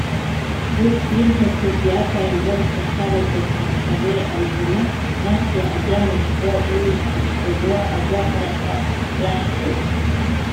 Урҭ ирҳәақәази аԥааимбарцәа харада рҭархареи анҵаны, насгьы агьама жәба, уи шәызбылуа агәаҟра!- ҳәа раҳҳәоит.